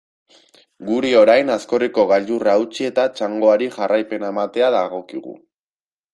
Guri, orain, Aizkorriko gailurra utzi eta txangoari jarraipena ematea dagokigu.